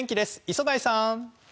磯貝さん！